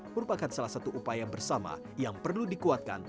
merupakan salah satu upaya bersama yang perlu dikuatkan